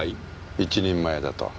一人前だと。